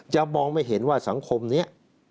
มองไม่เห็นว่าสังคมนี้